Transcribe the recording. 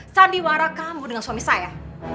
sandiwara kamu dengan suami saya